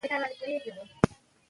هلمند سیند د افغانستان طبعي ثروت دی.